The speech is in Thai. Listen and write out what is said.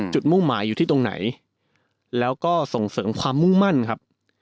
มุ่งหมายอยู่ที่ตรงไหนแล้วก็ส่งเสริมความมุ่งมั่นครับ